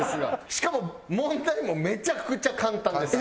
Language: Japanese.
しかも問題もめちゃくちゃ簡単です。